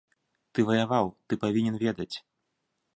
Ты ваяваў, ты павінен ведаць.